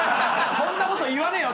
そんなこと言わねえよ